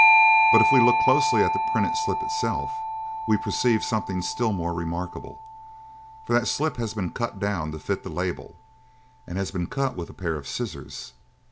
But if we look closely at the printed slip itself we perceive something still more remarkable; for that slip has been cut down to fit the label, and has been cut with a pair of scissors.